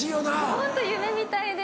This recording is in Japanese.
ホント夢みたいで。